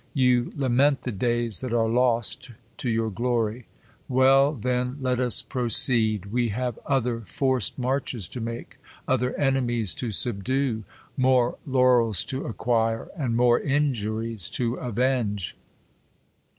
Voii I lament the days that are lost to your glory! Well, I then^ I' 1 tS6 THE COLUMBIAN ORATOR. then, let us proceed; we have other forced marches to make, other enemies to subdue •, more laurels to ac quire, and more injuries to avenge.